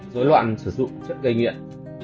dối loạn sử dụng chất gây nghiện